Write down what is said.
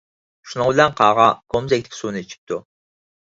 شۇنىڭ بىلەن قاغا كومزەكتىكى سۇنى ئىچىپتۇ.